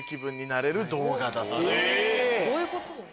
どういうことだ？